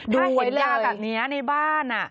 ดูไว้เลยถ้าเห็นยาแบบนี้ในบ้าน